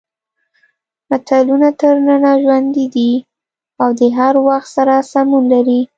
متلونه تر ننه ژوندي دي او د هر وخت سره سمون لري